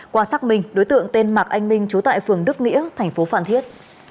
qua xác minh đối tượng tên mạc anh minh trú tại phường đức nghĩa thành phố phan thiết